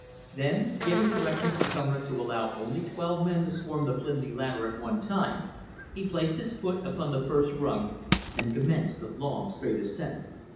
Then, giving directions to Kona to allow only twelve men to swarm the flimsy ladder at one time, he placed his foot upon the first rung and commenced the long straight ascent.